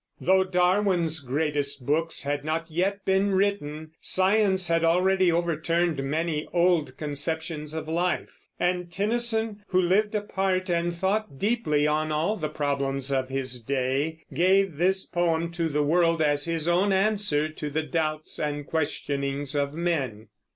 Though Darwin's greatest books had not yet been written, science had already overturned many old conceptions of life; and Tennyson, who lived apart and thought deeply on all the problems of his day, gave this poem to the world as his own answer to the doubts and questionings of men.